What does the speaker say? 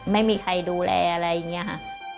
ไม่มีใครดูแลอะไรอย่างนี้ค่ะ